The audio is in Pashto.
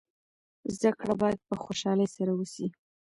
زده کړه باید په خوشحالۍ سره وسي.